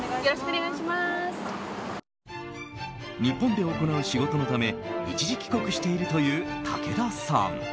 日本で行う仕事のため一時帰国しているという武田さん。